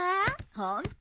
ホント？